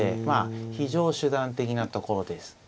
まあ非常手段的なところです。